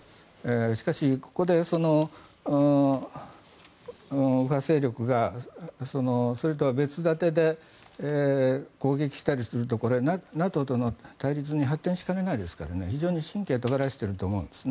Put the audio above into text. しかし、ここで右派勢力がそれとは別建てで攻撃したりするとこれはＮＡＴＯとの対立に発展しかねないですから非常に神経をとがらせていると思います。